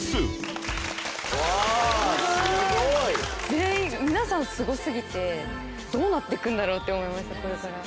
全員皆さんすご過ぎてどうなってくんだろうって思いましたこれから。